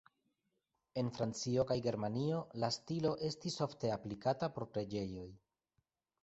En Francio kaj Germanio la stilo estis ofte aplikata por preĝejoj.